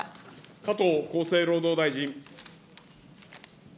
加藤厚生労働大臣。